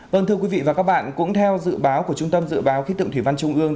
vâng thưa quý vị và các bạn cũng theo dự báo của trung tâm dự báo khí tượng thủy văn trung ương